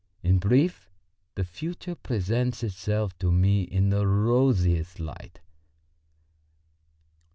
In brief, the future presents itself to me in the rosiest light."